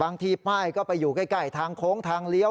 ที่ป้ายก็ไปอยู่ใกล้ทางโค้งทางเลี้ยว